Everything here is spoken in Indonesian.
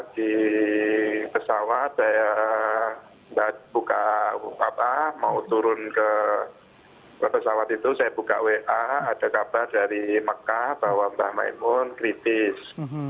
di pesawat saya mau turun ke pesawat itu saya buka wa ada kabar dari mekah bahwa mbah maimun kritis